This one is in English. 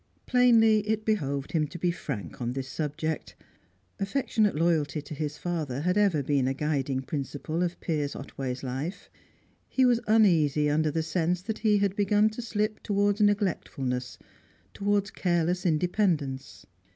Plainly it behoved him to be frank on this subject. Affectionate loyalty to his father had ever been a guiding principle in Piers Otway's life; he was uneasy under the sense that he had begun to slip towards neglectfulness, towards careless independence.